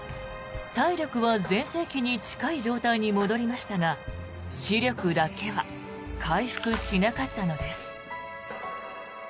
体力は全盛期に近い状態に戻りましたが視力だけは回復しなかったのです。